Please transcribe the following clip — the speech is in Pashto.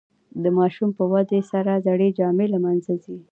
د ماشوم په ودې سره زړې جامې له منځه ځي.